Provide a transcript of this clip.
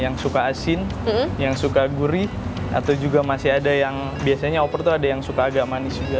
yang suka asin yang suka gurih atau juga masih ada yang biasanya oper tuh ada yang suka agak manis juga